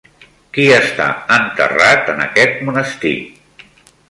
Qui està enterrat en aquest monestir?